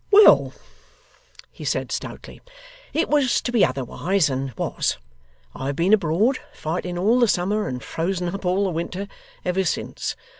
'Well!' he said stoutly, 'it was to be otherwise, and was. I have been abroad, fighting all the summer and frozen up all the winter, ever since.